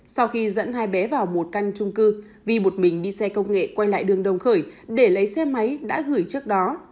sau khi dẫn hai bé vào một căn trung cư vi một mình đi xe công nghệ quay lại đường đồng khởi để lấy xe máy đã gửi trước đó